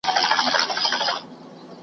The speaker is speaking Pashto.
ولاړم بندیوانه زولنې راپسي مه ګوره .